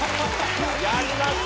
やりました！